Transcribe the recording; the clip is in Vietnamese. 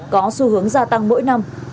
có xu hướng gia tăng mỗi năm